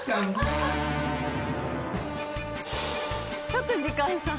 ちょっと時間差。